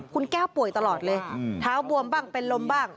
คุณแก้วป่วยตลอดเลยเท้าบวมบ้างเป็นลมบ้าง